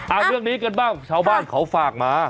เอาเรื่องนี้กันบ้างชาวบ้านเขาฝากมา